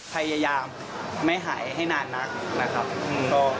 พยายามไม่หายให้นานนักนะครับ